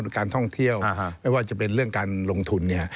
การท่องเที่ยวไม่ว่าจะเป็นเรื่องการลงทุนเนี่ย